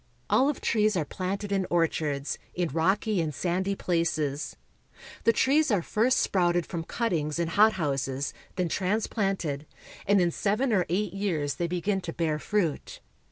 Olive trees are planted in orchards, in rocky and sandy places. The trees are first sprouted from cuttings in hot houses, then transplanted, and in seven or eight years they begin to bear fruit.